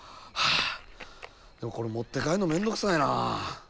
でもこれ持って帰るのめんどくさいな。